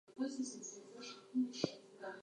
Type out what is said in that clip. Talbot was educated by private tutors.